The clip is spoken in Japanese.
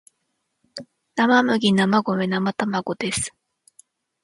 生麦生米生卵です